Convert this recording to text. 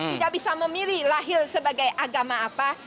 tidak bisa memilih lahir sebagai agama apa